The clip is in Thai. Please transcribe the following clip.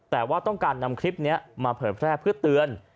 แต่ว่าต้องการนำคลิปนี้มาเผยแพร่เพื่อเตือน